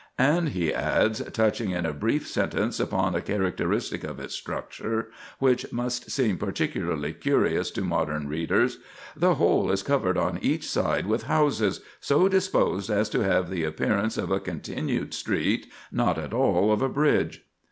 And he adds, touching in a brief sentence upon a characteristic of its structure which must seem particularly curious to modern readers: "The whole is covered on each side with houses, so disposed as to have the appearance of a continued street, not at all of a bridge."